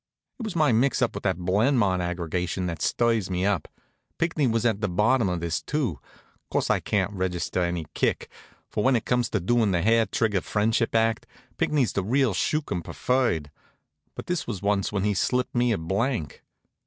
It was my mix up with that Blenmont aggregation that stirs me up. Pinckney was at the bottom of this, too. Course, I can't register any kick; for when it comes to doing the hair trigger friendship act, Pinckney's the real skookum preferred. But this was once when he slipped me a blank.